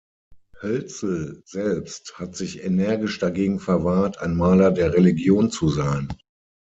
Hölzel selbst hat sich energisch dagegen verwahrt, ein Maler der Religion zu sein.